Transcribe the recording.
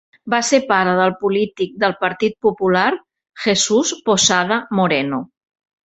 Va ser pare del polític del Partit Popular Jesús Posada Moreno.